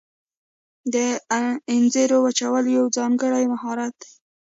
د انځرو وچول یو ځانګړی مهارت دی.